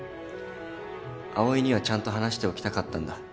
葵にはちゃんと話しておきたかったんだ。